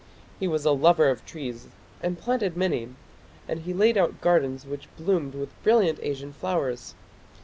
He was a lover of trees and planted many, and he laid out gardens which bloomed with brilliant Asian flowers.